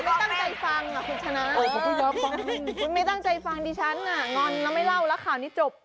ไม่ตั้งใจฟังอ่ะคุณชนะคุณไม่ตั้งใจฟังดิฉันอ่ะงอนแล้วไม่เล่าแล้วข่าวนี้จบ